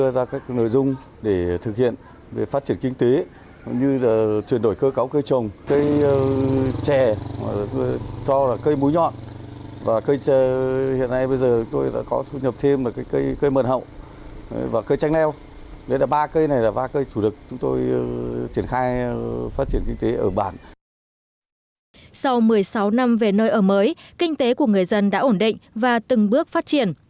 sau một mươi sáu năm về nơi ở mới kinh tế của người dân đã ổn định và từng bước phát triển